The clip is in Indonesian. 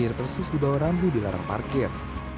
yang terlihat berdiri di bawah rambu di dalam parkir